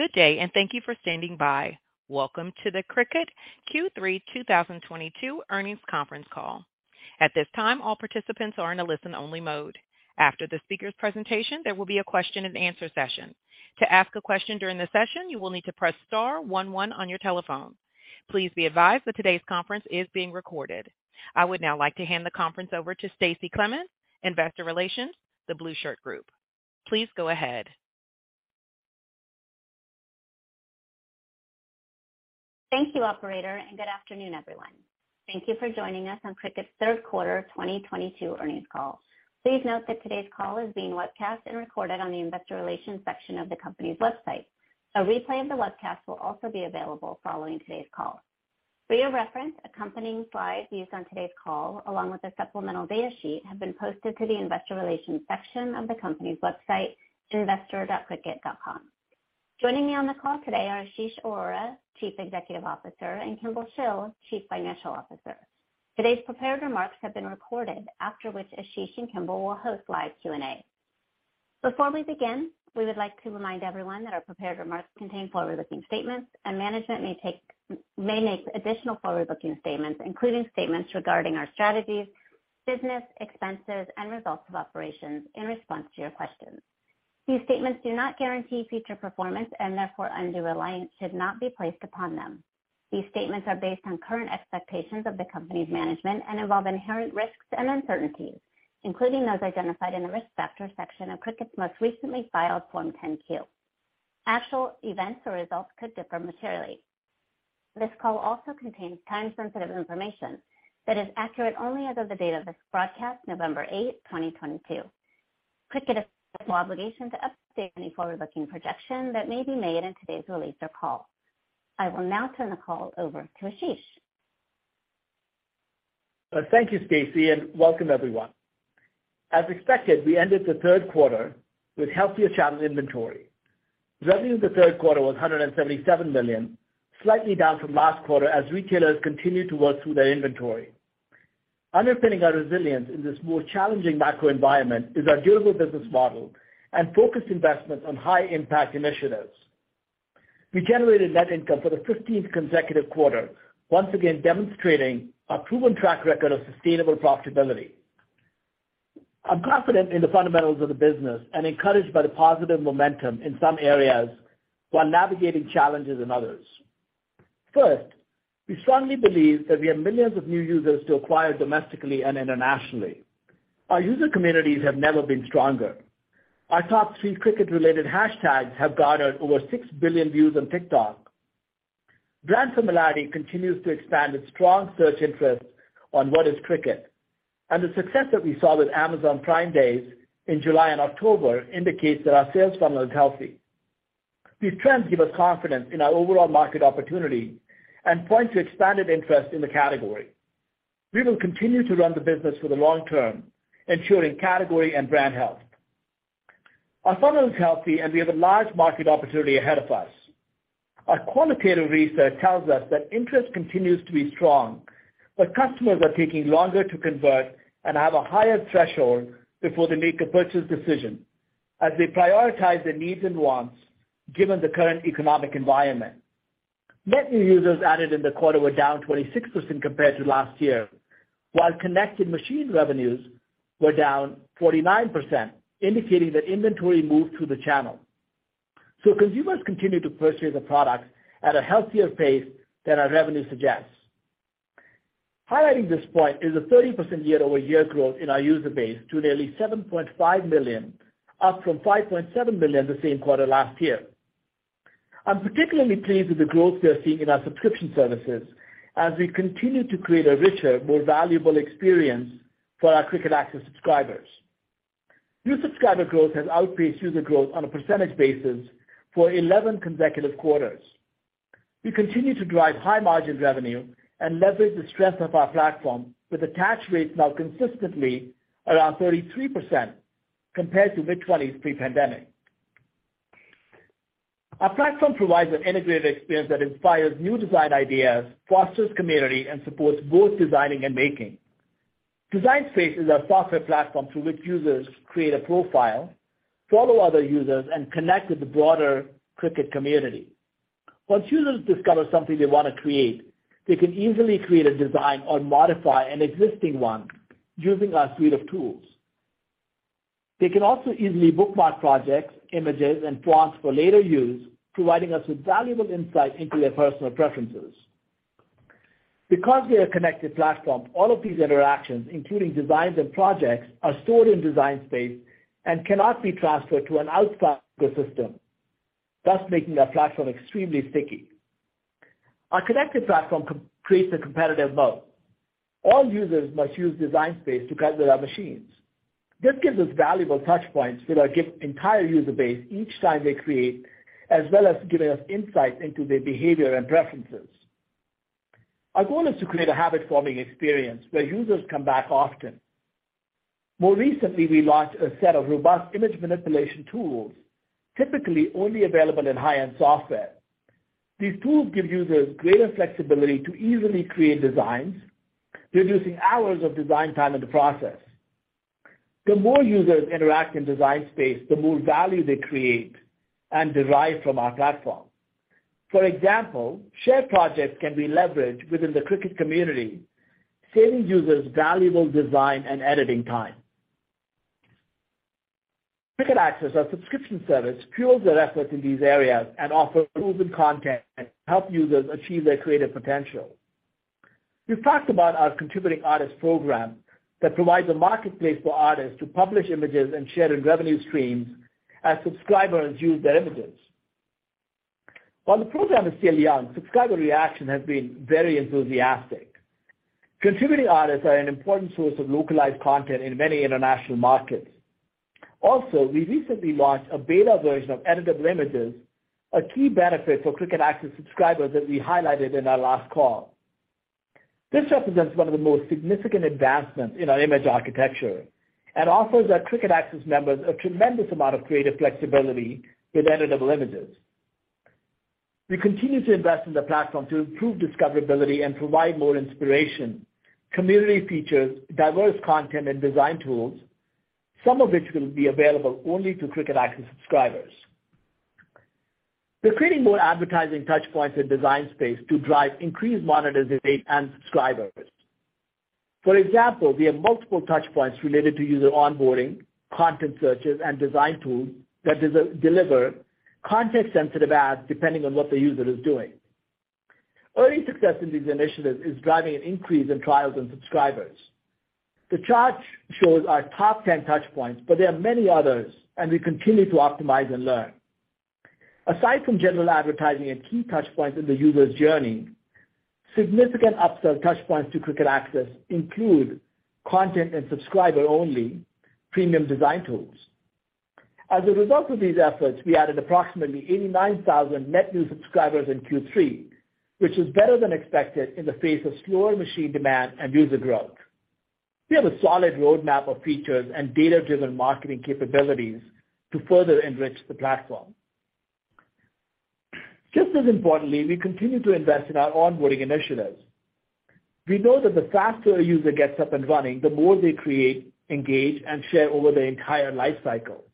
Good day, and thank you for standing by. Welcome to the Cricut Q3 2022 Earnings Conference Call. At this time, all participants are in a listen-only mode. After the speaker's presentation, there will be a question-and-answer session. To ask a question during the session, you will need to press star one one on your telephone. Please be advised that today's conference is being recorded. I would now like to hand the conference over to Stacie Clements, Investor Relations, The Blueshirt Group. Please go ahead. Thank you, operator, and good afternoon, everyone. Thank you for joining us on Cricut's Third Quarter 2022 Earnings Call. Please note that today's call is being webcast and recorded on the investor relations section of the company's website. A replay of the webcast will also be available following today's call. For your reference, accompanying slides used on today's call, along with a supplemental data sheet, have been posted to the investor relations section of the company's website, investor.cricut.com. Joining me on the call today are Ashish Arora, Chief Executive Officer, and Kimball Shill, Chief Financial Officer. Today's prepared remarks have been recorded, after which Ashish and Kimball will host live Q&A. Before we begin, we would like to remind everyone that our prepared remarks contain forward-looking statements, and management may make additional forward-looking statements, including statements regarding our strategies, business, expenses, and results of operations in response to your questions. These statements do not guarantee future performance and therefore undue reliance should not be placed upon them. These statements are based on current expectations of the company's management and involve inherent risks and uncertainties, including those identified in the Risk Factors section of Cricut's most recently filed Form 10-Q. Actual events or results could differ materially. This call also contains time-sensitive information that is accurate only as of the date of this broadcast, November 8, 2022. Cricut has no obligation to update any forward-looking projection that may be made in today's release or call. I will now turn the call over to Ashish. Thank you, Stacie, and welcome everyone. As expected, we ended the third quarter with healthier channel inventory. Revenue in the third quarter was $177 million, slightly down from last quarter as retailers continued to work through their inventory. Underpinning our resilience in this more challenging macro environment is our durable business model and focused investments on high-impact initiatives. We generated net income for the fifteenth consecutive quarter, once again demonstrating our proven track record of sustainable profitability. I'm confident in the fundamentals of the business and encouraged by the positive momentum in some areas while navigating challenges in others. First, we strongly believe that we have millions of new users to acquire domestically and internationally. Our user communities have never been stronger. Our top three Cricut-related hashtags have garnered over 6 billion views on TikTok. Brand familiarity continues to expand with strong search interest on what is Cricut. The success that we saw with Amazon Prime Day in July and October indicates that our sales funnel is healthy. These trends give us confidence in our overall market opportunity and point to expanded interest in the category. We will continue to run the business for the long term, ensuring category and brand health. Our funnel is healthy, and we have a large market opportunity ahead of us. Our qualitative research tells us that interest continues to be strong, but customers are taking longer to convert and have a higher threshold before they make a purchase decision, as they prioritize their needs and wants given the current economic environment. Net new users added in the quarter were down 26% compared to last year, while connected machine revenues were down 49%, indicating that inventory moved through the channel. Consumers continue to purchase the product at a healthier pace than our revenue suggests. Highlighting this point is a 30% year-over-year growth in our user base to nearly 7.5 million, up from 5.7 million the same quarter last year. I'm particularly pleased with the growth we are seeing in our subscription services as we continue to create a richer, more valuable experience for our Cricut Access subscribers. New subscriber growth has outpaced user growth on a percentage basis for 11 consecutive quarters. We continue to drive high-margin revenue and leverage the strength of our platform with attach rates now consistently around 33% compared to mid-20s pre-pandemic. Our platform provides an integrated experience that inspires new design ideas, fosters community, and supports both designing and making. Design Space is our software platform through which users create a profile, follow other users, and connect with the broader Cricut community. Once users discover something they wanna create, they can easily create a design or modify an existing one using our suite of tools. They can also easily bookmark projects, images, and fonts for later use, providing us with valuable insight into their personal preferences. Because we are a connected platform, all of these interactions, including designs and projects, are stored in Design Space and cannot be transferred to an outside ecosystem, thus making our platform extremely sticky. Our connected platform creates a competitive moat. All users must use Design Space to cut with our machines. This gives us valuable touch points with our entire user base each time they create, as well as giving us insight into their behavior and preferences. Our goal is to create a habit-forming experience where users come back often. More recently, we launched a set of robust image manipulation tools, typically only available in high-end software. These tools give users greater flexibility to easily create designs, reducing hours of design time in the process. The more users interact in Design Space, the more value they create and derive from our platform. For example, shared projects can be leveraged within the Cricut community, saving users valuable design and editing time. Cricut Access, our subscription service, fuels our efforts in these areas and offers proven content to help users achieve their creative potential. We've talked about our contributing artist program that provides a marketplace for artists to publish images and share in revenue streams as subscribers use their images. While the program is still young, subscriber reaction has been very enthusiastic. Contributing artists are an important source of localized content in many international markets. Also, we recently launched a beta version of editable images, a key benefit for Cricut Access subscribers that we highlighted in our last call. This represents one of the most significant advancements in our image architecture and offers our Cricut Access members a tremendous amount of creative flexibility with editable images. We continue to invest in the platform to improve discoverability and provide more inspiration, community features, diverse content, and design tools, some of which will be available only to Cricut Access subscribers. We're creating more advertising touchpoints in Design Space to drive increased monetization and subscribers. For example, we have multiple touchpoints related to user onboarding, content searches, and design tools that deliver context-sensitive ads depending on what the user is doing. Early success in these initiatives is driving an increase in trials and subscribers. The chart shows our top 10 touchpoints, but there are many others, and we continue to optimize and learn. Aside from general advertising and key touchpoints in the user's journey, significant upsell touchpoints to Cricut Access include content and subscriber-only premium design tools. As a result of these efforts, we added approximately 89,000 net new subscribers in Q3, which is better than expected in the face of slower machine demand and user growth. We have a solid roadmap of features and data-driven marketing capabilities to further enrich the platform. Just as importantly, we continue to invest in our onboarding initiatives. We know that the faster a user gets up and running, the more they create, engage, and share over their entire life cycle.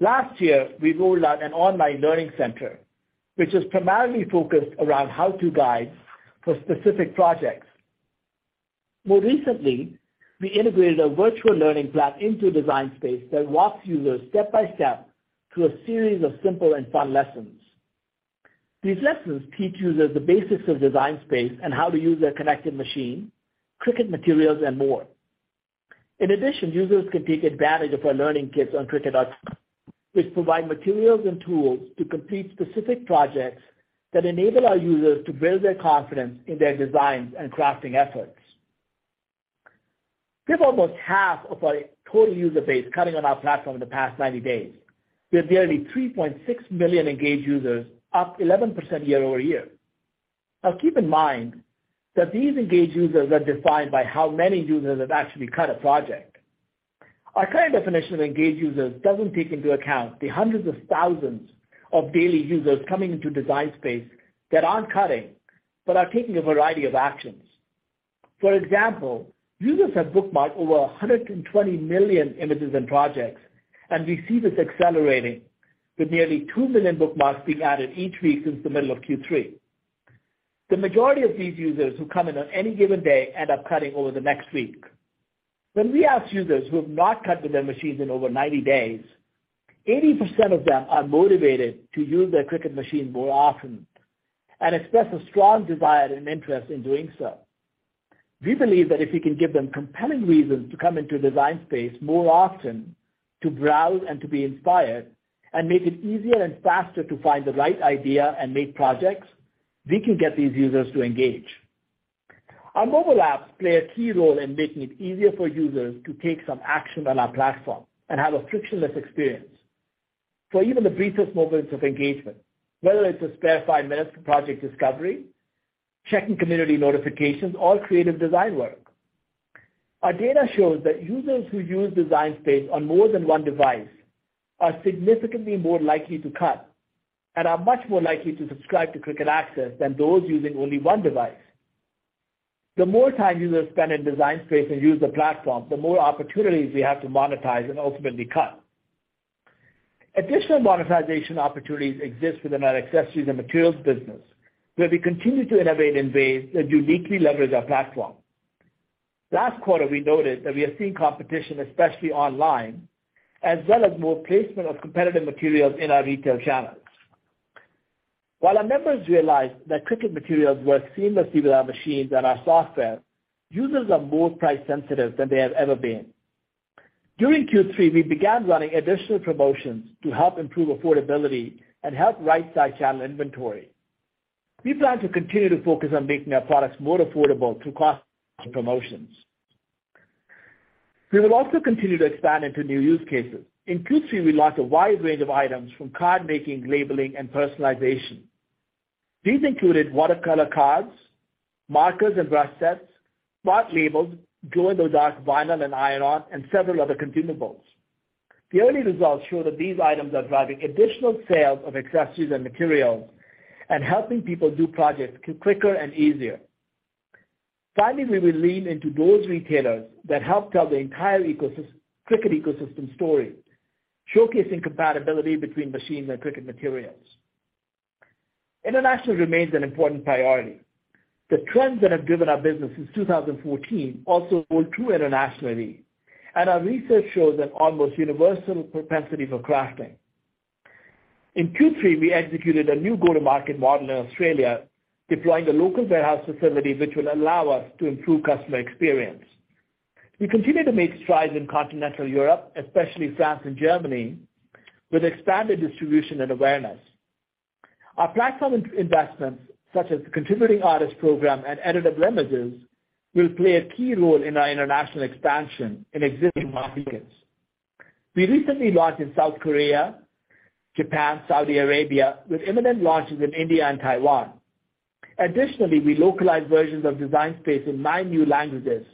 Last year, we rolled out an online learning center, which is primarily focused around how-to guides for specific projects. More recently, we integrated a virtual learning platform into Design Space that walks users step by step through a series of simple and fun lessons. These lessons teach users the basics of Design Space and how to use their connected machine, Cricut materials, and more. In addition, users can take advantage of our learning kits on cricut.com, which provide materials and tools to complete specific projects that enable our users to build their confidence in their designs and crafting efforts. We have almost half of our total user base cutting on our platform in the past 90 days, with nearly 3.6 million engaged users, up 11% year-over-year. Now keep in mind that these engaged users are defined by how many users have actually cut a project. Our current definition of engaged users doesn't take into account the hundreds of thousands of daily users coming into Design Space that aren't cutting, but are taking a variety of actions. For example, users have bookmarked over 120 million images and projects, and we see this accelerating, with nearly 2 million bookmarks being added each week since the middle of Q3. The majority of these users who come in on any given day end up cutting over the next week. When we ask users who have not cut with their machines in over 90 days, 80% of them are motivated to use their Cricut machine more often and express a strong desire and interest in doing so. We believe that if we can give them compelling reasons to come into Design Space more often, to browse and to be inspired, and make it easier and faster to find the right idea and make projects, we can get these users to engage. Our mobile apps play a key role in making it easier for users to take some action on our platform and have a frictionless experience for even the briefest moments of engagement, whether it's a spare five minutes to project discovery, checking community notifications, or creative design work. Our data shows that users who use Design Space on more than one device are significantly more likely to cut and are much more likely to subscribe to Cricut Access than those using only one device. The more time users spend in Design Space and use the platform, the more opportunities we have to monetize and ultimately cut. Additional monetization opportunities exist within our accessories and materials business, where we continue to innovate in ways that uniquely leverage our platform. Last quarter, we noted that we are seeing competition, especially online, as well as more placement of competitive materials in our retail channels. While our members realized that Cricut materials work seamlessly with our machines and our software, users are more price-sensitive than they have ever been. During Q3, we began running additional promotions to help improve affordability and help right-size channel inventory. We plan to continue to focus on making our products more affordable through cost promotions. We will also continue to expand into new use cases. In Q3, we launched a wide range of items from card making, labeling, and personalization. These included watercolor cards, markers and brush sets, Smart Label, glow-in-the-dark vinyl and iron-on, and several other consumables. The early results show that these items are driving additional sales of accessories and materials and helping people do projects quicker and easier. Finally, we will lean into those retailers that help tell the entire ecosystem, Cricut ecosystem story, showcasing compatibility between machines and Cricut materials. International remains an important priority. The trends that have driven our business since 2014 also hold true internationally, and our research shows an almost universal propensity for crafting. In Q3, we executed a new go-to-market model in Australia, deploying a local warehouse facility which will allow us to improve customer experience. We continue to make strides in continental Europe, especially France and Germany, with expanded distribution and awareness. Our platform investments, such as the contributing artist program and editable images, will play a key role in our international expansion in existing markets. We recently launched in South Korea, Japan, Saudi Arabia, with imminent launches in India and Taiwan. Additionally, we localized versions of Design Space in nine new languages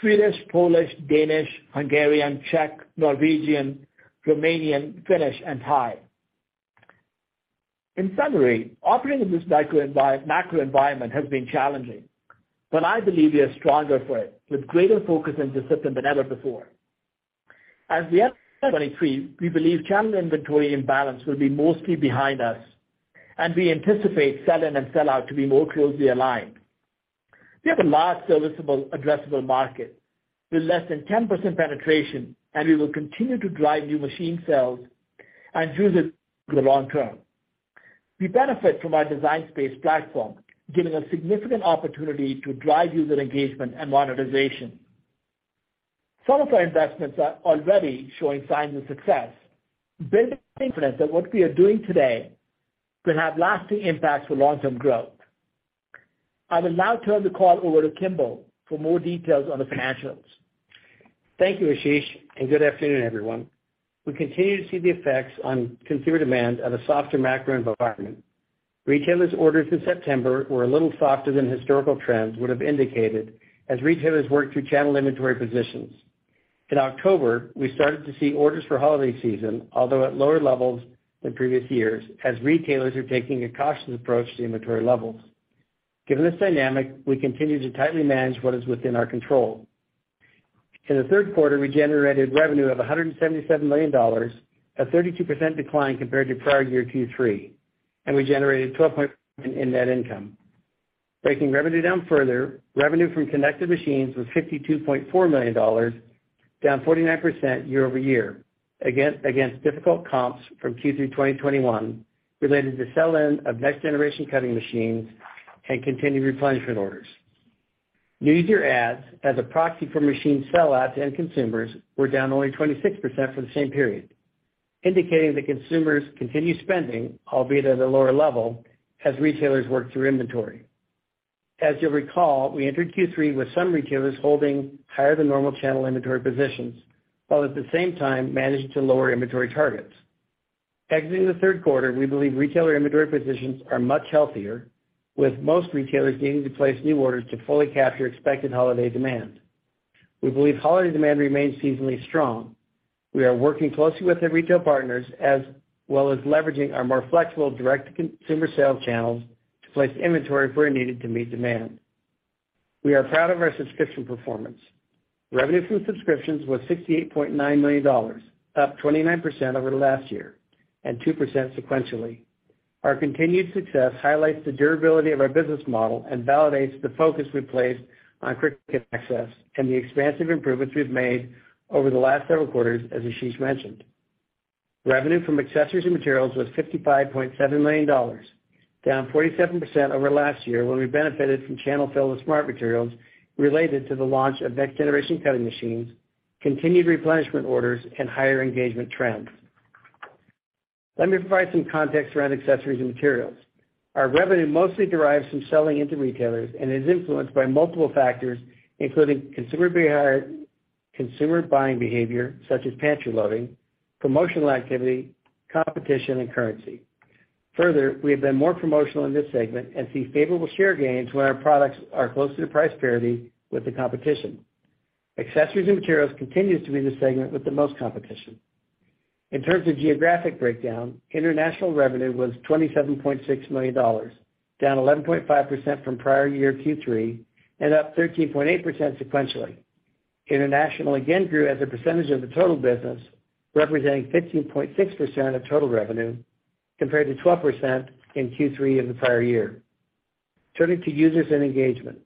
Swedish, Polish, Danish, Hungarian, Czech, Norwegian, Romanian, Finnish, and Thai. In summary, operating in this macro environment has been challenging, but I believe we are stronger for it, with greater focus and discipline than ever before. As we end 2023, we believe channel inventory imbalance will be mostly behind us and we anticipate sell-in and sell-out to be more closely aligned. We have a large serviceable addressable market with less than 10% penetration, and we will continue to drive new machine sales and use it for the long term. We benefit from our Design Space platform, giving us significant opportunity to drive user engagement and monetization. Some of our investments are already showing signs of success, building confidence that what we are doing today will have lasting impacts for long-term growth. I will now turn the call over to Kimball for more details on the financials. Thank you, Ashish, and good afternoon, everyone. We continue to see the effects on consumer demand of a softer macro environment. Retailers' orders in September were a little softer than historical trends would have indicated as retailers work through channel inventory positions. In October, we started to see orders for holiday season, although at lower levels than previous years as retailers are taking a cautious approach to inventory levels. Given this dynamic, we continue to tightly manage what is within our control. In the third quarter, we generated revenue of $177 million, a 32% decline compared to prior-year Q3, and we generated $12.1 million in net income. Breaking revenue down further, revenue from connected machines was $52.4 million, down 49% year-over-year again, against difficult comps from Q3 2021 related to sell-in of next-generation cutting machines and continued replenishment orders. New user adds as a proxy for machine sell-outs and consumers were down only 26% for the same period, indicating that consumers continue spending, albeit at a lower level as retailers work through inventory. As you'll recall, we entered Q3 with some retailers holding higher than normal channel inventory positions, while at the same time managing to lower inventory targets. Exiting the third quarter, we believe retailer inventory positions are much healthier, with most retailers needing to place new orders to fully capture expected holiday demand. We believe holiday demand remains seasonally strong. We are working closely with our retail partners as well as leveraging our more flexible direct consumer sales channels to place inventory where needed to meet demand. We are proud of our subscription performance. Revenue from subscriptions was $68.9 million, up 29% over last year and 2% sequentially. Our continued success highlights the durability of our business model and validates the focus we placed on Cricut Access and the expansive improvements we've made over the last several quarters, as Ashish mentioned. Revenue from accessories and materials was $55.7 million, down 47% over last year when we benefited from channel fill of Smart Materials related to the launch of next generation cutting machines, continued replenishment orders and higher engagement trends. Let me provide some context around accessories and materials. Our revenue mostly derives from selling into retailers and is influenced by multiple factors, including consumer buying behavior such as pantry loading, promotional activity, competition and currency. Further, we have been more promotional in this segment and see favorable share gains when our products are closer to price parity with the competition. Accessories and materials continues to be the segment with the most competition. In terms of geographic breakdown, international revenue was $27.6 million, down 11.5% from prior year Q3 and up 13.8% sequentially. International again grew as a percentage of the total business, representing 15.6% of total revenue, compared to 12% in Q3 of the prior year. Turning to users and engagement,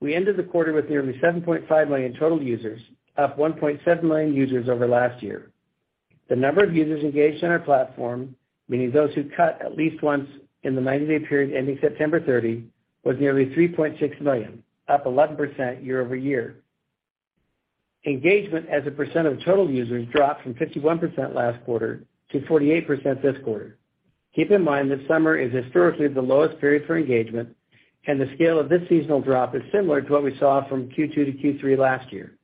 we ended the quarter with nearly 7.5 million total users, up 1.7 million users over last year. The number of users engaged in our platform, meaning those who cut at least once in the 90-day period ending September 30, was nearly 3.6 million, up 11% year-over-year. Engagement as a percent of total users dropped from 51% last quarter to 48% this quarter. Keep in mind that summer is historically the lowest period for engagement, and the scale of this seasonal drop is similar to what we saw from Q2 to Q3 last year.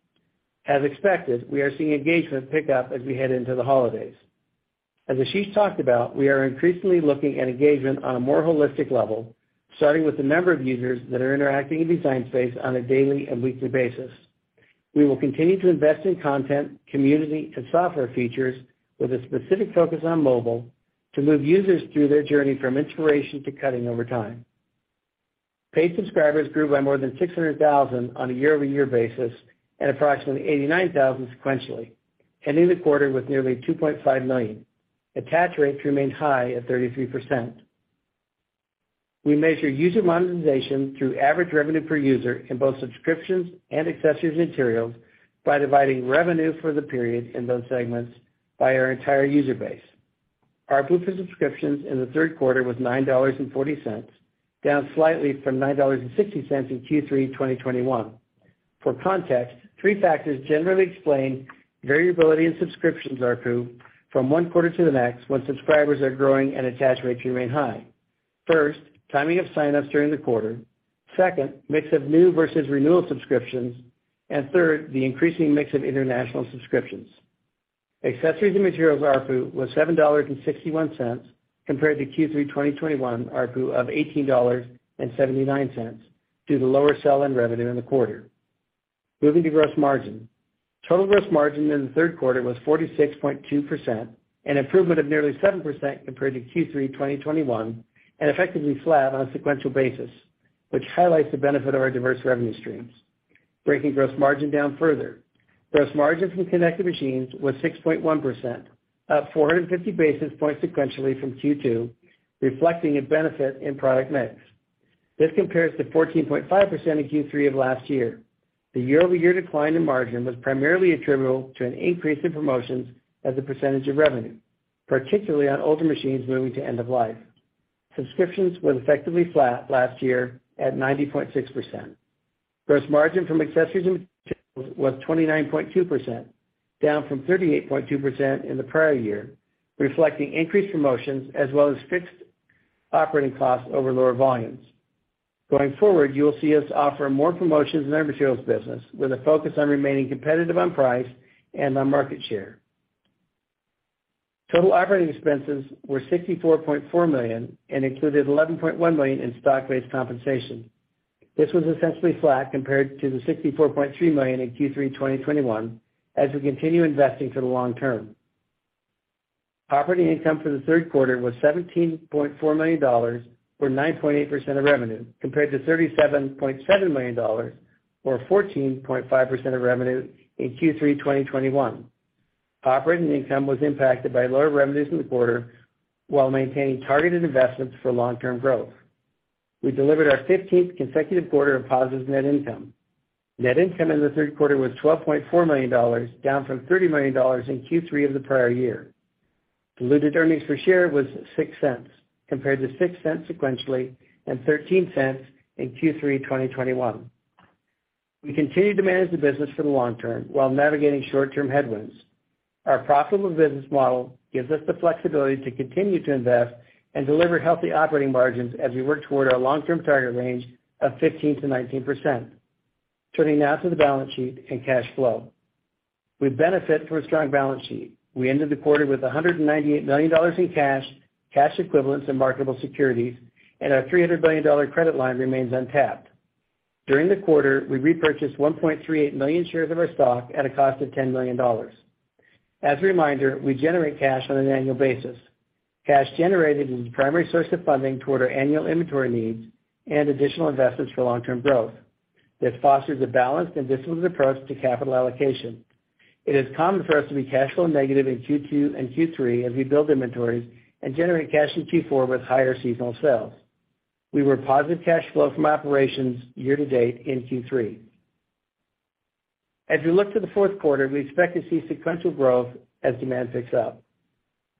As expected, we are seeing engagement pick up as we head into the holidays. As Ashish talked about, we are increasingly looking at engagement on a more holistic level, starting with the number of users that are interacting in Design Space on a daily and weekly basis. We will continue to invest in content, community, and software features with a specific focus on mobile to move users through their journey from inspiration to cutting over time. Paid subscribers grew by more than 600,000 on a year-over-year basis and approximately 89,000 sequentially, ending the quarter with nearly 2.5 million. Attach rates remained high at 33%. We measure user monetization through average revenue per user in both subscriptions and accessories & materials by dividing revenue for the period in those segments by our entire user base. ARPU for subscriptions in the third quarter was $9.40, down slightly from $9.60 in Q3 2021. For context, three factors generally explain variability in subscriptions ARPU from one quarter to the next when subscribers are growing and attach rates remain high. First, timing of sign-ups during the quarter. Second, mix of new versus renewal subscriptions. And third, the increasing mix of international subscriptions. Accessories and materials ARPU was $7.61 compared to Q3 2021 ARPU of $18.79 due to lower sell-in revenue in the quarter. Moving to gross margin. Total gross margin in the third quarter was 46.2%, an improvement of nearly 7% compared to Q3 2021, and effectively flat on a sequential basis, which highlights the benefit of our diverse revenue streams. Breaking gross margin down further. Gross margin from connected machines was 6.1%, up 450 basis points sequentially from Q2, reflecting a benefit in product mix. This compares to 14.5% in Q3 of last year. The year-over-year decline in margin was primarily attributable to an increase in promotions as a percentage of revenue, particularly on older machines moving to end of life. Subscriptions was effectively flat last year at 90.6%. Gross margin from accessories and materials was 29.2%, down from 38.2% in the prior year, reflecting increased promotions as well as fixed operating costs over lower volumes. Going forward, you will see us offer more promotions in our materials business with a focus on remaining competitive on price and on market share. Total operating expenses were $64.4 million and included $11.1 million in stock-based compensation. This was essentially flat compared to the $64.3 million in Q3 2021 as we continue investing for the long term. Operating income for the third quarter was $17.4 million, or 9.8% of revenue, compared to $37.7 million, or 14.5% of revenue in Q3 2021. Operating income was impacted by lower revenues in the quarter while maintaining targeted investments for long-term growth. We delivered our 15th consecutive quarter of positive net income. Net income in the third quarter was $12.4 million, down from $30 million in Q3 of the prior year. Diluted earnings per share was $0.06 compared to $0.06 sequentially and $0.13 in Q3 2021. We continue to manage the business for the long term while navigating short-term headwinds. Our profitable business model gives us the flexibility to continue to invest and deliver healthy operating margins as we work toward our long-term target range of 15%-19%. Turning now to the balance sheet and cash flow. We benefit from a strong balance sheet. We ended the quarter with $198 million in cash equivalents, and marketable securities, and our $300 million credit line remains untapped. During the quarter, we repurchased 1.38 million shares of our stock at a cost of $10 million. As a reminder, we generate cash on an annual basis. Cash generated is the primary source of funding toward our annual inventory needs and additional investments for long-term growth. This fosters a balanced and disciplined approach to capital allocation. It is common for us to be cash flow negative in Q2 and Q3 as we build inventories and generate cash in Q4 with higher seasonal sales. We were positive cash flow from operations year-to-date in Q3. As we look to the fourth quarter, we expect to see sequential growth as demand picks up.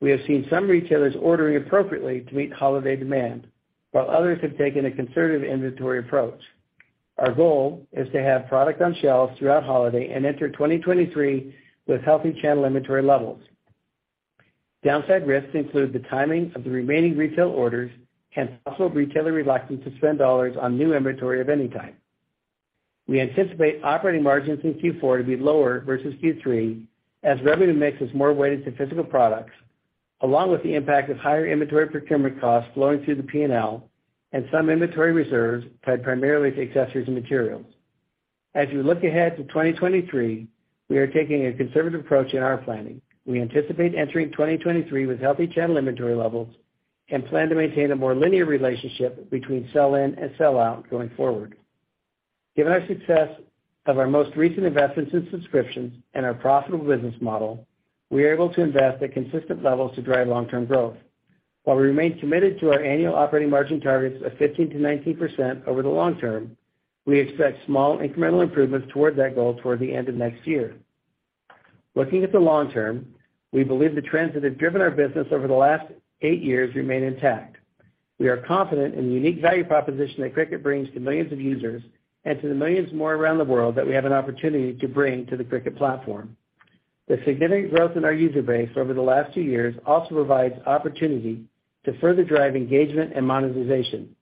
We have seen some retailers ordering appropriately to meet holiday demand, while others have taken a conservative inventory approach. Our goal is to have product on shelves throughout holiday and enter 2023 with healthy channel inventory levels. Downside risks include the timing of the remaining retail orders and possible retailer reluctance to spend dollars on new inventory of any kind. We anticipate operating margins in Q4 to be lower versus Q3 as revenue mix is more weighted to physical products along with the impact of higher inventory procurement costs flowing through the P&L and some inventory reserves tied primarily to accessories and materials. As we look ahead to 2023, we are taking a conservative approach in our planning. We anticipate entering 2023 with healthy channel inventory levels and plan to maintain a more linear relationship between sell-in and sell-out going forward. Given our success of our most recent investments in subscriptions and our profitable business model, we are able to invest at consistent levels to drive long-term growth. While we remain committed to our annual operating margin targets of 15%-19% over the long term, we expect small incremental improvements towards that goal toward the end of next year. Looking at the long term, we believe the trends that have driven our business over the last eight years remain intact. We are confident in the unique value proposition that Cricut brings to millions of users and to the millions more around the world that we have an opportunity to bring to the Cricut platform. The significant growth in our user base over the last two years also provides opportunity to further drive engagement and monetization.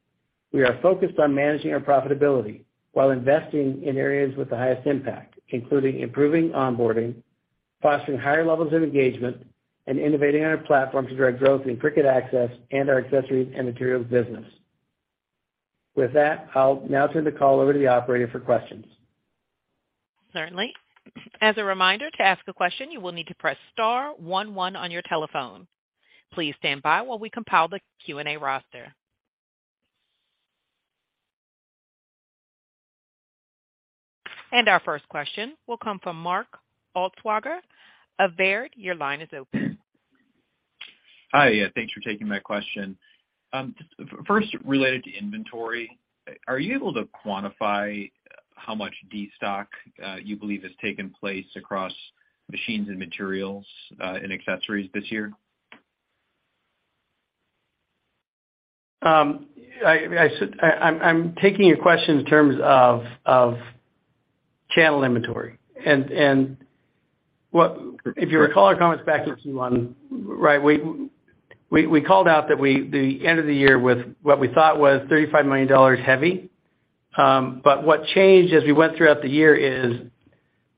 We are focused on managing our profitability while investing in areas with the highest impact, including improving onboarding, fostering higher levels of engagement, and innovating on our platform to drive growth in Cricut Access and our accessories and materials business. With that, I'll now turn the call over to the operator for questions. Certainly. As a reminder, to ask a question, you will need to press star one one on your telephone. Please stand by while we compile the Q&A roster. Our first question will come from Mark Altschwager of Baird. Your line is open. Hi. Yeah, thanks for taking my question. First, related to inventory, are you able to quantify how much destock you believe has taken place across machines and materials and accessories this year? I'm taking your question in terms of channel inventory. If you recall our comments back in Q1, right? We called out that the end of the year with what we thought was $35 million heavy. What changed as we went throughout the year is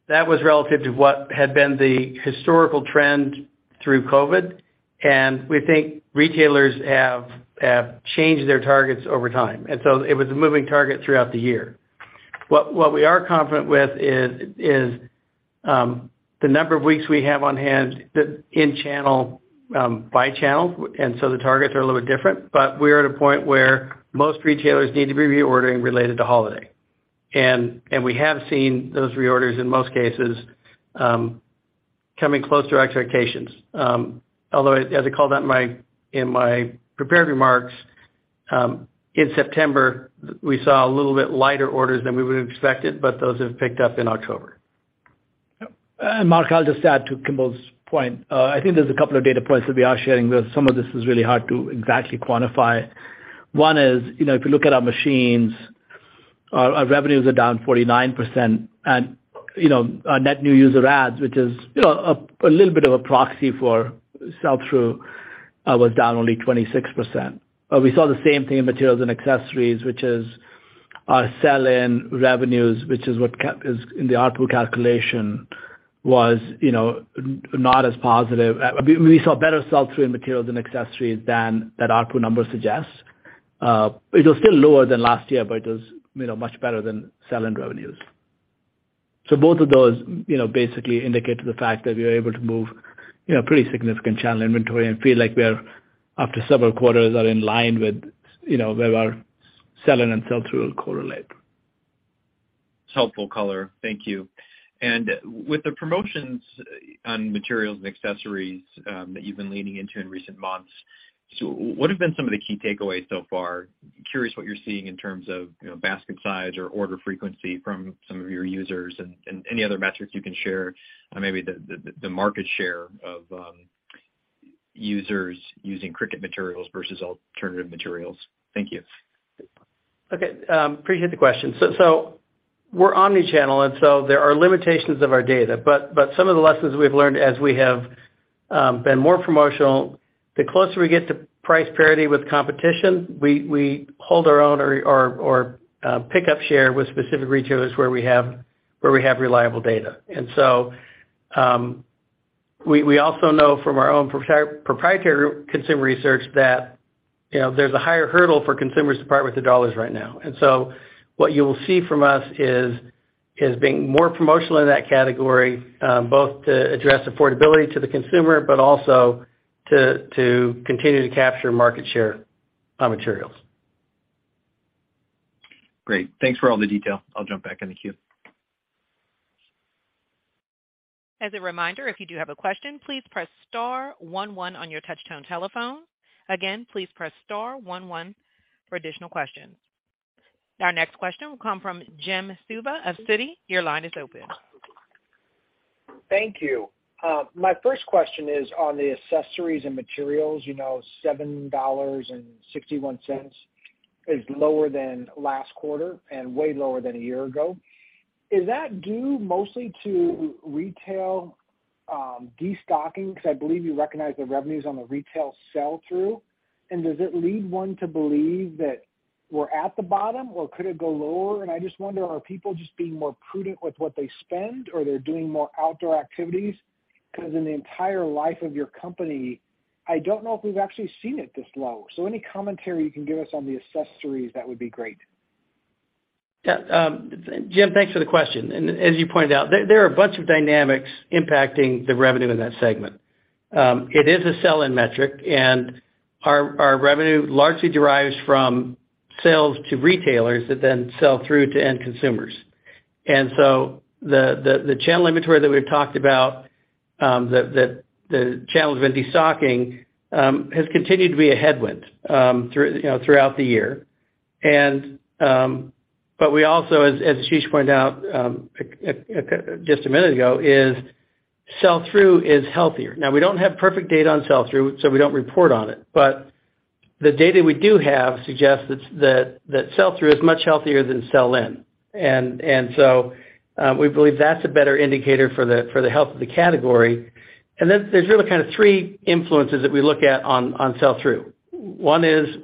that was relative to what had been the historical trend through COVID, and we think retailers have changed their targets over time. It was a moving target throughout the year. What we are confident with is the number of weeks we have on hand the in-channel by channel, and the targets are a little bit different. We're at a point where most retailers need to be reordering related to holiday. We have seen those reorders in most cases coming close to our expectations. Although, as I called out in my prepared remarks, in September, we saw a little bit lighter orders than we would have expected, but those have picked up in October. Mark, I'll just add to Kimball's point. I think there's a couple of data points that we are sharing. Some of this is really hard to exactly quantify. One is, you know, if you look at our machines, our revenues are down 49%. Our net new user adds, which is a little bit of a proxy for sell-through, was down only 26%. We saw the same thing in materials and accessories, which is our sell-in revenues, which is what is captured in the ARPU calculation, was not as positive. We saw better sell-through in materials and accessories than that ARPU number suggests. It was still lower than last year, but it was much better than sell-in revenues. Both of those, you know, basically indicate to the fact that we are able to move, you know, pretty significant channel inventory and feel like we're, after several quarters, are in line with, you know, where our sell-in and sell-through correlate. It's helpful color. Thank you. With the promotions on materials and accessories that you've been leaning into in recent months, what have been some of the key takeaways so far? Curious what you're seeing in terms of, you know, basket size or order frequency from some of your users and any other metrics you can share, or maybe the market share of users using Cricut materials versus alternative materials. Thank you. Okay. Appreciate the question. We're omni-channel, and there are limitations of our data. Some of the lessons we've learned as we have been more promotional, the closer we get to price parity with competition, we hold our own or pick up share with specific retailers where we have reliable data. We also know from our own proprietary consumer research that, you know, there's a higher hurdle for consumers to part with their dollars right now. What you'll see from us is being more promotional in that category, both to address affordability to the consumer, but also to continue to capture market share on materials. Great. Thanks for all the detail. I'll jump back in the queue. As a reminder, if you do have a question, please press star one one on your touch tone telephone. Again, please press star one one for additional questions. Our next question will come from Jim Suva of Citi. Your line is open. Thank you. My first question is on the accessories and materials, you know, $7.61 is lower than last quarter and way lower than a year ago. Is that due mostly to retail destocking? 'Cause I believe you recognize the revenues on the retail sell-through. Does it lead one to believe that we're at the bottom, or could it go lower? I just wonder, are people just being more prudent with what they spend, or they're doing more outdoor activities? 'Cause in the entire life of your company, I don't know if we've actually seen it this low. Any commentary you can give us on the accessories, that would be great. Yeah, Jim, thanks for the question. As you pointed out, there are a bunch of dynamics impacting the revenue in that segment. It is a sell-in metric, and our revenue largely derives from sales to retailers that then sell through to end consumers. The channel inventory that we've talked about, the channels have been destocking, has continued to be a headwind through, you know, throughout the year. But we also, as Ashish pointed out just a minute ago, sell-through is healthier. Now, we don't have perfect data on sell-through, so we don't report on it. The data we do have suggests that sell-through is much healthier than sell-in. So, we believe that's a better indicator for the health of the category. Then there's really kind of three influences that we look at on sell-through. One is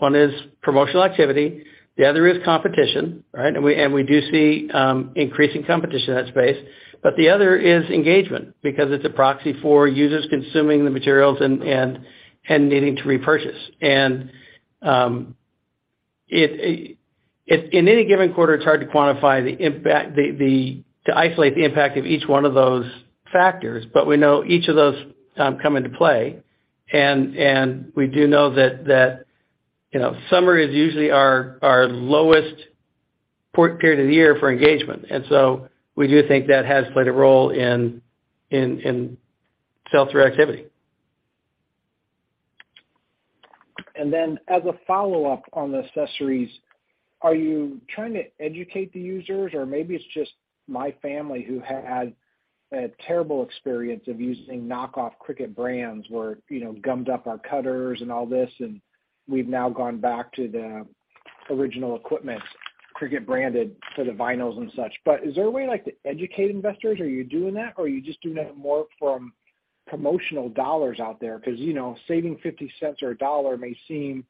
promotional activity. The other is competition, right? We do see increasing competition in that space. The other is engagement because it's a proxy for users consuming the materials and needing to repurchase. In any given quarter, it's hard to quantify the impact to isolate the impact of each one of those factors. We know each of those come into play. We do know that you know, summer is usually our lowest period of the year for engagement. We do think that has played a role in sell-through activity. Then as a follow-up on the accessories, are you trying to educate the users? Or maybe it's just my family who had a terrible experience of using knockoff Cricut brands where, you know, gummed up our cutters and all this, and we've now gone back to the original equipment, Cricut branded for the vinyls and such. But is there a way, like, to educate investors? Are you doing that? Or are you just doing that more from promotional dollars out there? Because, you know, saving $0.50 or $1 may seem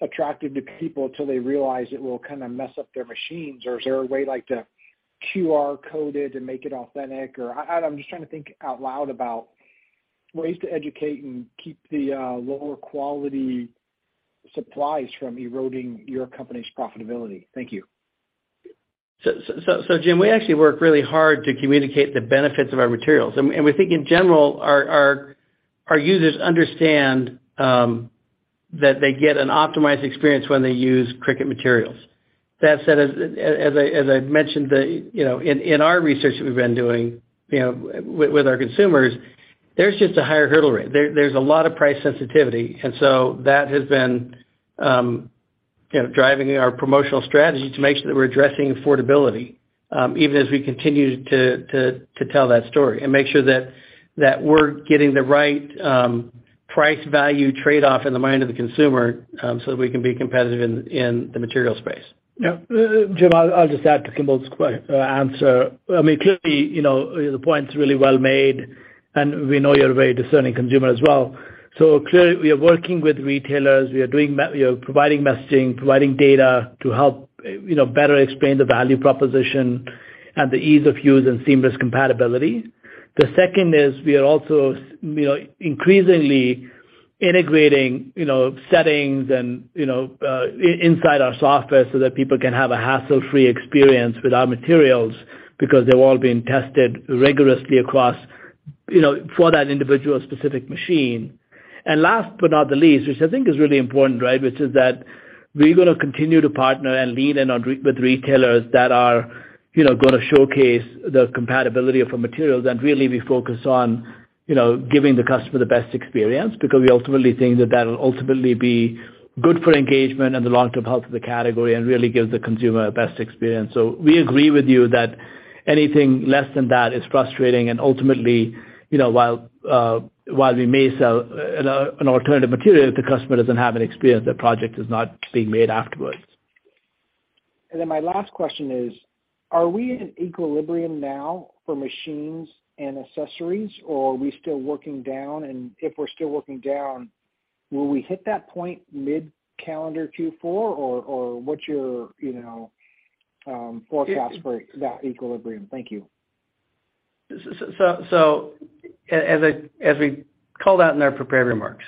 attractive to people till they realize it will kind of mess up their machines. Or is there a way, like, to QR code it and make it authentic? Or I'm just trying to think out loud about ways to educate and keep the lower quality supplies from eroding your company's profitability. Thank you. Jim, we actually work really hard to communicate the benefits of our materials. We think in general, our users understand that they get an optimized experience when they use Cricut materials. That said, as I mentioned, you know, in our research that we've been doing, you know, with our consumers, there's just a higher hurdle rate. There's a lot of price sensitivity. That has been, you know, driving our promotional strategy to make sure that we're addressing affordability, even as we continue to tell that story and make sure that we're getting the right price value trade-off in the mind of the consumer, so that we can be competitive in the material space. Yeah. Jim, I'll just add to Kimball's answer. I mean, clearly, you know, the point's really well made, and we know you're a very discerning consumer as well. Clearly we are working with retailers. We are providing messaging, providing data to help, you know, better explain the value proposition and the ease of use and seamless compatibility. The second is we are also, you know, increasingly integrating, you know, settings and, you know, inside our software so that people can have a hassle-free experience with our materials because they've all been tested rigorously across, you know, for that individual specific machine. Last but not the least, which I think is really important, right? Which is that we're gonna continue to partner and lean in on with retailers that are, you know, gonna showcase the compatibility of our materials. Really we focus on, you know, giving the customer the best experience because we ultimately think that that'll ultimately be good for engagement and the long-term health of the category and really gives the consumer a best experience. We agree with you that anything less than that is frustrating and ultimately, you know, while we may sell an alternative material, if the customer doesn't have an experience, the project is not being made afterwards. My last question is, are we at an equilibrium now for machines and accessories, or are we still working down? If we're still working down, will we hit that point mid-calendar Q4, or what's your, you know, forecast for that equilibrium? Thank you. As we called out in our prepared remarks,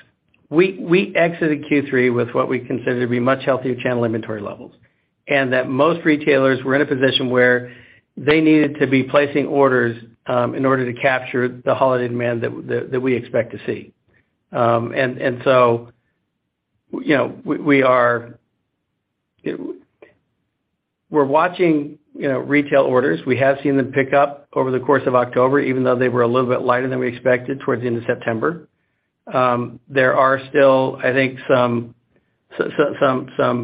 we exited Q3 with what we consider to be much healthier channel inventory levels, and that most retailers were in a position where they needed to be placing orders in order to capture the holiday demand that we expect to see. You know, we're watching retail orders. We have seen them pick up over the course of October, even though they were a little bit lighter than we expected towards the end of September. There are still, I think, some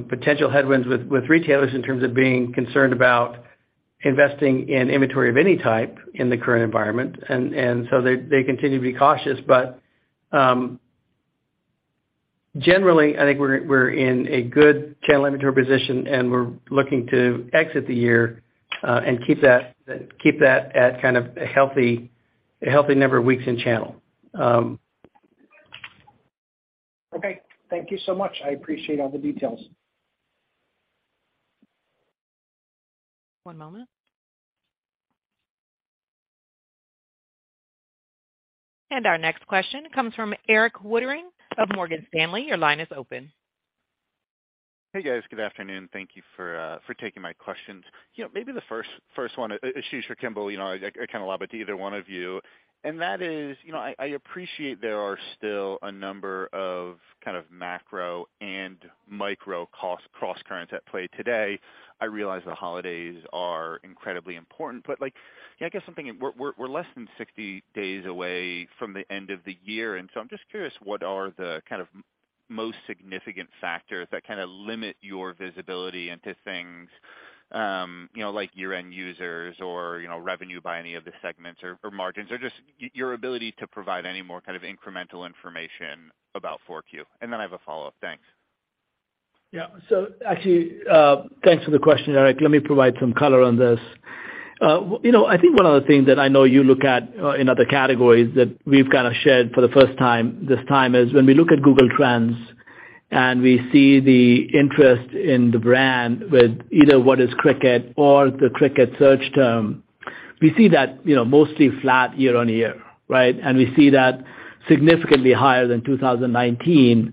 potential headwinds with retailers in terms of being concerned about investing in inventory of any type in the current environment. They continue to be cautious. Generally, I think we're in a good channel inventory position, and we're looking to exit the year and keep that at kind of a healthy number of weeks in channel. Okay. Thank you so much. I appreciate all the details. One moment. Our next question comes from Erik Woodring of Morgan Stanley. Your line is open. Hey, guys. Good afternoon. Thank you for taking my questions. You know, maybe the first one, Ashish or Kimball, you know, I kinda allow it to either one of you, and that is, you know, I appreciate there are still a number of kind of macro and micro crosscurrents at play today. I realize the holidays are incredibly important, but like, yeah, I guess something we're less than 60 days away from the end of the year, and so I'm just curious, what are the kind of most significant factors that kinda limit your visibility into things, you know, like year-end users or, you know, revenue by any of the segments or margins, or just your ability to provide any more kind of incremental information about 4Q? And then I have a follow-up. Thanks. Actually, thanks for the question, Erik. Let me provide some color on this. You know, I think one of the things that I know you look at in other categories that we've kinda shared for the first time this time is when we look at Google Trends, and we see the interest in the brand with either what is Cricut or the Cricut search term. We see that, you know, mostly flat year-over-year, right? We see that significantly higher than 2019,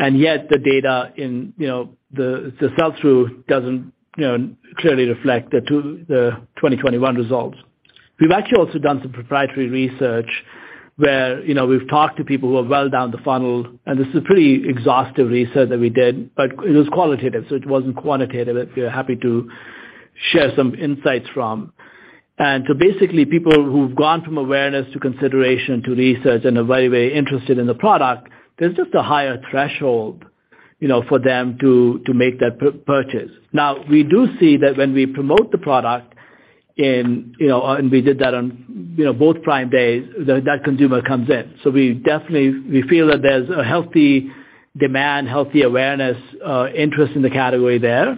and yet the data in, you know, the sell-through doesn't, you know, clearly reflect the 2021 results. We've actually also done some proprietary research where, you know, we've talked to people who are well down the funnel, and this is a pretty exhaustive research that we did, but it was qualitative, so it wasn't quantitative, if you're happy to share some insights from. Basically, people who've gone from awareness to consideration to research and are very, very interested in the product, there's just a higher threshold, you know, for them to make that purchase. Now, we do see that when we promote the product in, you know, and we did that on, you know, both Prime Days, that consumer comes in. We definitely feel that there's a healthy demand, healthy awareness, interest in the category there.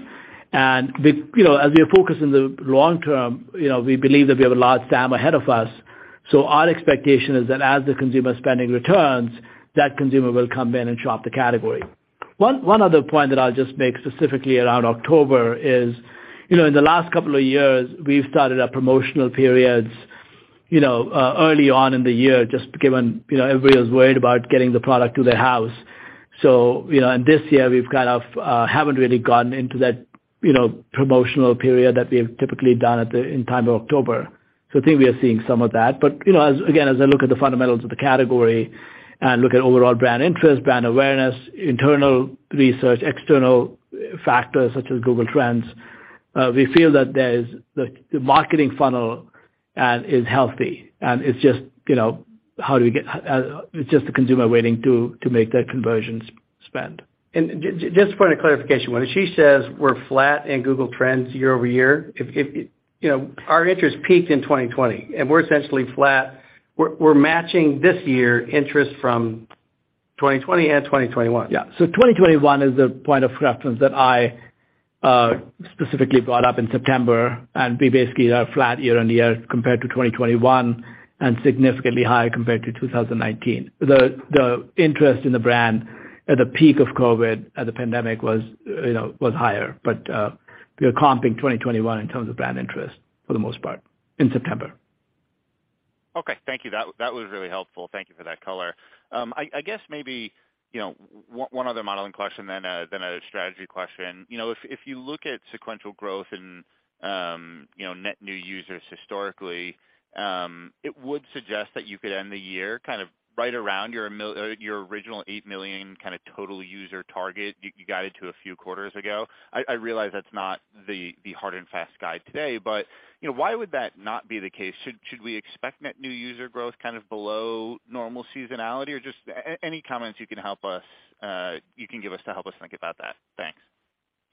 We, you know, as we are focused in the long term, you know, we believe that we have a long time ahead of us. Our expectation is that as the consumer spending returns, that consumer will come in and shop the category. One other point that I'll just make specifically around October is, you know, in the last couple of years, we've started our promotional periods, you know, early on in the year, just given, you know, everybody was worried about getting the product to their house. You know, and this year we've kind of haven't really gotten into that, you know, promotional period that we have typically done at the time of October. I think we are seeing some of that. You know, as again as I look at the fundamentals of the category and look at overall brand interest, brand awareness, internal research, external factors such as Google Trends, we feel that there's the marketing funnel is healthy, and it's just, you know, how do we get it's just the consumer waiting to make that conversion spend. Just a point of clarification. When Ashish says we're flat in Google Trends year-over-year, if you know, our interest peaked in 2020 and we're essentially flat, we're matching this year interest from 2020 and 2021. Yeah. 2021 is the point of reference that I specifically brought up in September, and we basically are flat year-over-year compared to 2021 and significantly higher compared to 2019. The interest in the brand at the peak of COVID at the pandemic was, you know, higher, but we are comping 2021 in terms of brand interest for the most part in September. Okay. Thank you. That was really helpful. Thank you for that color. I guess maybe, you know, one other modeling question then a strategy question. You know, if you look at sequential growth in, you know, net new users historically, it would suggest that you could end the year kind of right around your original eight million kind of total user target you guided to a few quarters ago. I realize that's not the hard and fast guide today, but, you know, why would that not be the case? Should we expect net new user growth kind of below normal seasonality? Or just any comments you can give us to help us think about that. Thanks.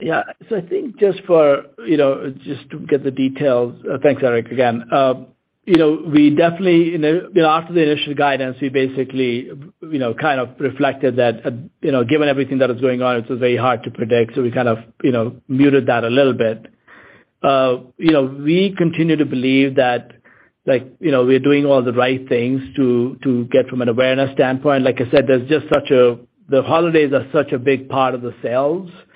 Yeah. I think just for, you know, just to get the details. Thanks, Erik, again. You know, we definitely, you know, after the initial guidance, we basically, you know, kind of reflected that, you know, given everything that was going on, it was very hard to predict, so we kind of, you know, muted that a little bit. You know, we continue to believe that, like, you know, we're doing all the right things to get from an awareness standpoint. Like I said, there's just, the holidays are such a big part of the sales, right?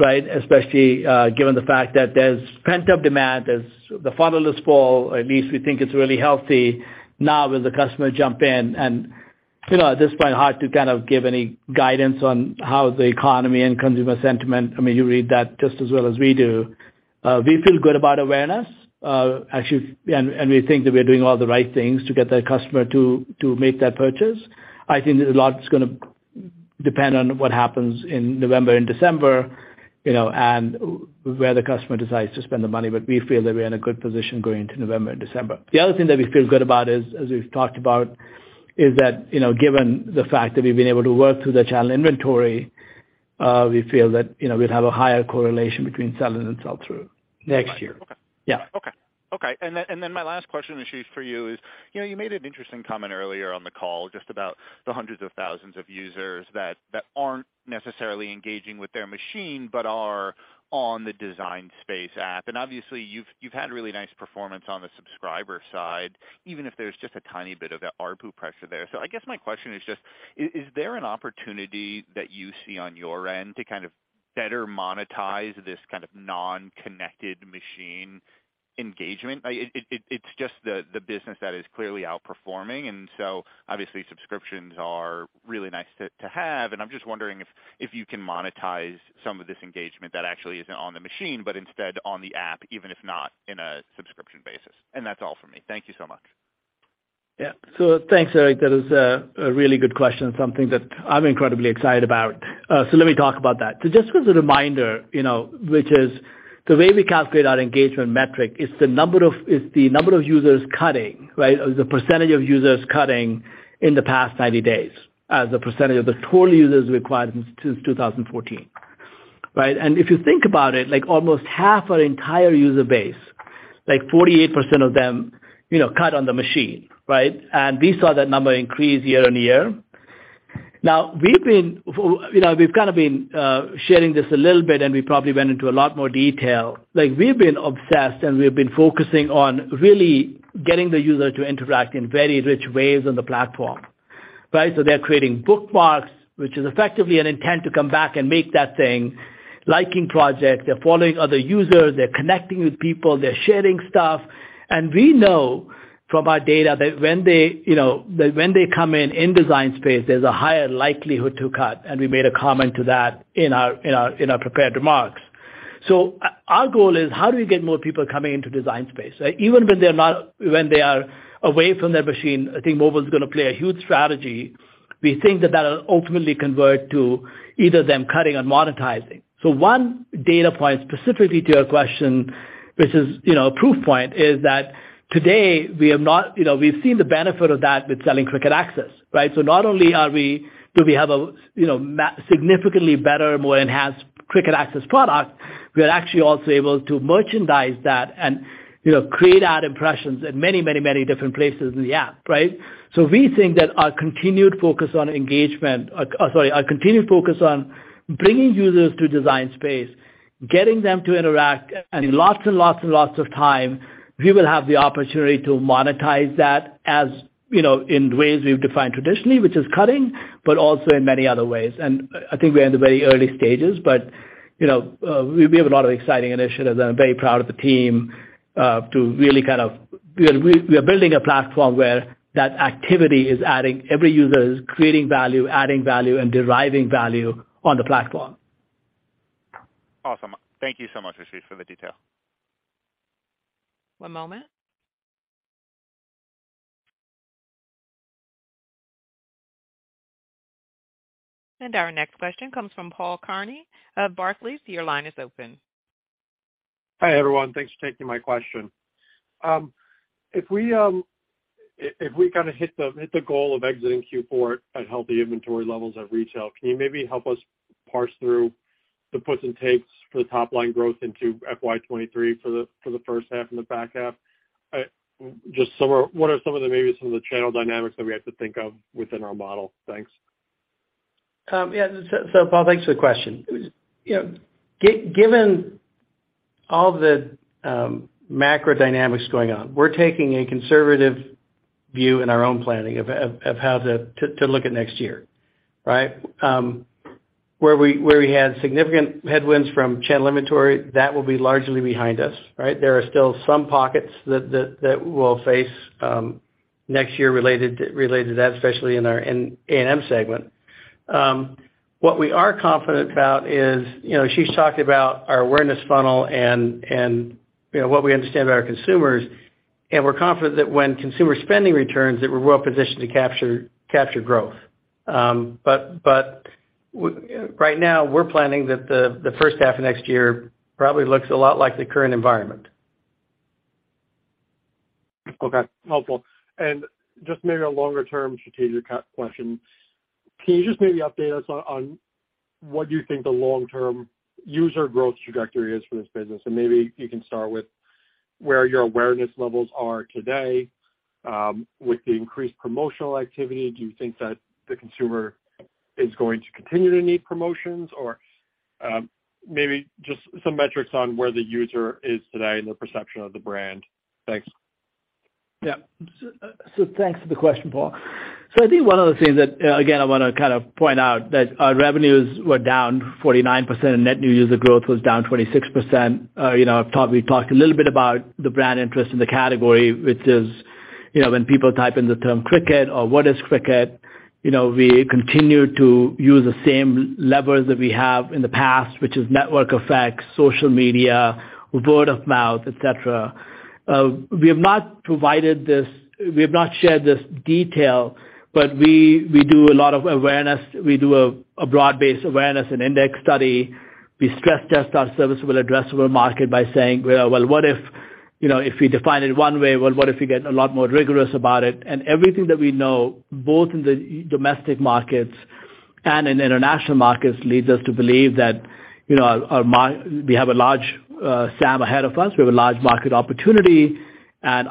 Especially, given the fact that there's pent-up demand, the funnel is full, at least we think it's really healthy, now, will the customer jump in? You know, at this point, hard to kind of give any guidance on how the economy and consumer sentiment. I mean, you read that just as well as we do. We feel good about awareness, actually, and we think that we're doing all the right things to get that customer to make that purchase. I think a lot is gonna depend on what happens in November and December, you know, and where the customer decides to spend the money, but we feel that we're in a good position going into November and December. The other thing that we feel good about is, as we've talked about, is that, you know, given the fact that we've been able to work through the channel inventory, we feel that, you know, we'll have a higher correlation between sell-ins and sell-through next year. Okay. Yeah. My last question, Ashish, for you is, you know, you made an interesting comment earlier on the call just about the hundreds of thousands of users that aren't necessarily engaging with their machine but are on the Design Space app. Obviously you've had really nice performance on the subscriber side, even if there's just a tiny bit of ARPU pressure there. I guess my question is just, is there an opportunity that you see on your end to kind of better monetize this kind of non-connected machine engagement? It's just the business that is clearly outperforming, and so obviously subscriptions are really nice to have, and I'm just wondering if you can monetize some of this engagement that actually isn't on the machine, but instead on the app, even if not in a subscription basis. That's all for me. Thank you so much. Yeah. Thanks, Erik. That is a really good question, something that I'm incredibly excited about. Let me talk about that. Just as a reminder, you know, which is the way we calculate our engagement metric is the number of users cutting, right? Or the percentage of users cutting in the past 90 days as a percentage of the total users we acquired since 2014, right? And if you think about it, like, almost half our entire user base, like 48% of them, you know, cut on the machine, right? And we saw that number increase year-on-year. Now, you know, we've kind of been sharing this a little bit, and we probably went into a lot more detail. Like, we've been obsessed, and we've been focusing on really getting the user to interact in very rich ways on the platform. Right? They're creating bookmarks, which is effectively an intent to come back and make that thing, liking project. They're following other users. They're connecting with people. They're sharing stuff. We know from our data that when they, you know, come in Design Space, there's a higher likelihood to cut, and we made a comment to that in our prepared remarks. Our goal is how do we get more people coming into Design Space, right? Even when they are away from their machine, I think mobile's gonna play a huge strategy. We think that that'll ultimately convert to either them cutting and monetizing. One data point specifically to your question, which is, you know, a proof point, is that today we have not, you know, we've seen the benefit of that with selling Cricut Access, right? Not only are we do we have a, you know, significantly better, more enhanced Cricut Access product, we are actually also able to merchandise that and, you know, create ad impressions in many, many, many different places in the app, right? We think that our continued focus on bringing users to Design Space, getting them to interact, and in lots and lots and lots of time, we will have the opportunity to monetize that as, you know, in ways we've defined traditionally, which is cutting, but also in many other ways. I think we're in the very early stages, but, you know, we have a lot of exciting initiatives. I'm very proud of the team. We are building a platform where that activity is adding every user is creating value, adding value and deriving value on the platform. Awesome. Thank you so much, Ashish, for the detail. One moment. Our next question comes from Paul Kearney of Barclays. Your line is open. Hi, everyone. Thanks for taking my question. If we kinda hit the goal of exiting Q4 at healthy inventory levels at retail, can you maybe help us parse through the puts and takes for the top line growth into FY 2023 for the first half and the back half? Just some of what are some of the, maybe some of the channel dynamics that we have to think of within our model? Thanks. Paul, thanks for the question. You know, given all the macro dynamics going on, we're taking a conservative view in our own planning of how to look at next year, right? Where we had significant headwinds from channel inventory, that will be largely behind us, right? There are still some pockets that we'll face next year related to that, especially in our NAM segment. What we are confident about is, you know, Ashish talked about our awareness funnel and you know what we understand about our consumers, and we're confident that when consumer spending returns, that we're well-positioned to capture growth. Right now we're planning that the first half of next year probably looks a lot like the current environment. Okay. Helpful. Just maybe a longer term strategic question. Can you just maybe update us on what you think the long-term user growth trajectory is for this business? Maybe you can start with where your awareness levels are today with the increased promotional activity. Do you think that the consumer is going to continue to need promotions? Maybe just some metrics on where the user is today and the perception of the brand. Thanks. Yeah. Thanks for the question, Paul. I think one of the things that, again, I wanna kind of point out that our revenues were down 49% and net new user growth was down 26%. You know, we talked a little bit about the brand interest in the category, which is, you know, when people type in the term Cricut or what is Cricut, you know, we continue to use the same levers that we have in the past, which is network effects, social media, word of mouth, et cetera. We have not shared this detail, but we do a lot of awareness. We do a broad-based awareness and index study. We stress test our serviceable addressable market by saying, "Well, what if, you know, if we define it one way? Well, what if we get a lot more rigorous about it?" Everything that we know, both in the domestic markets and in international markets, leads us to believe that, you know, our SAM ahead of us. We have a large market opportunity.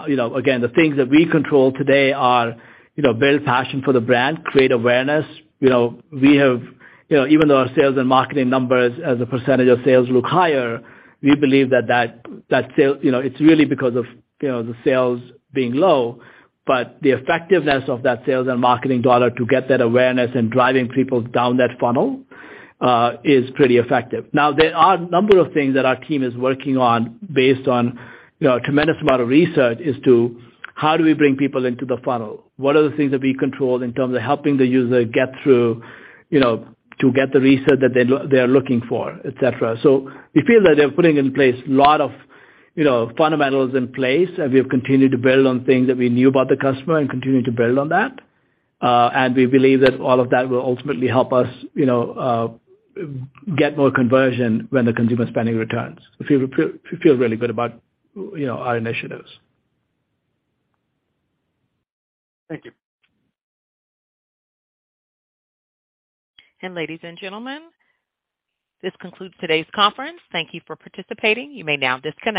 You know, again, the things that we control today are, you know, build passion for the brand, create awareness. You know, we have, you know, even though our sales and marketing numbers as a percentage of sales look higher, we believe that sales, you know, it's really because of, you know, the sales being low. The effectiveness of that sales and marketing dollar to get that awareness and driving people down that funnel is pretty effective. Now, there are a number of things that our team is working on based on, you know, a tremendous amount of research, is to how do we bring people into the funnel? What are the things that we control in terms of helping the user get through, you know, to get the research that they're looking for, et cetera. We feel that they're putting in place a lot of, you know, fundamentals in place, and we have continued to build on things that we knew about the customer and continue to build on that. We believe that all of that will ultimately help us, you know, get more conversion when the consumer spending returns. We feel really good about, you know, our initiatives. Thank you. Ladies and gentlemen, this concludes today's conference. Thank you for participating. You may now disconnect.